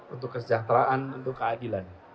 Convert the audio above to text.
untuk kesejahteraan untuk keadilan